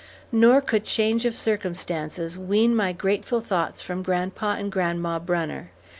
Nor could change of circumstances wean my grateful thoughts from Grandpa and Grandma Brunner.